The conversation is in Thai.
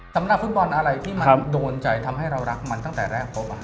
สำหรับฟุตบอลอะไรที่มันโดนใจทำให้เรารักมันตั้งแต่แรกพบ